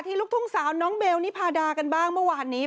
ลูกทุ่งสาวน้องเบลนิพาดากันบ้างเมื่อวานนี้